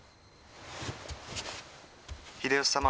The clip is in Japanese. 「秀吉様